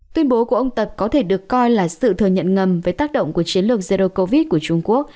tuyên bố của ông tập có thể được coi là sự thừa nhận ngầm với tác động của chiến lược zero covid của trung quốc